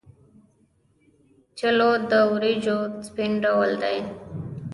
چلو د وریجو سپین ډول دی.